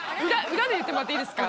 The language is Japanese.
裏で言ってもらっていいですか